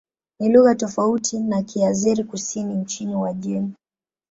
Ni lugha tofauti na Kiazeri-Kusini nchini Uajemi.